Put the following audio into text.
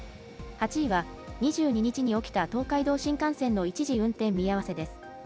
８位は、２２日に起きた東海道新幹線の一時運転見合わせです。